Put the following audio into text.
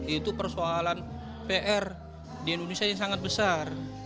itu persoalan pr di indonesia yang sangat besar